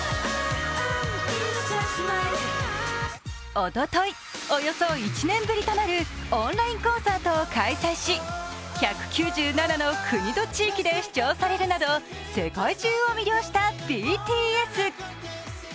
おととい、およそ１年ぶりとなるオンラインコンサートを開催し１９７の国と地域で視聴されるなど世界中を魅了したＢＴＳ。